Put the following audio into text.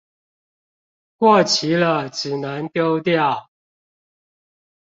過期了只能丟掉